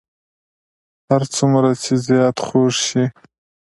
هر څومره چې زیات خوږ شي.